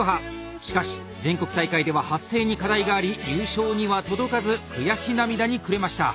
しかし全国大会では発声に課題があり優勝には届かず悔し涙に暮れました。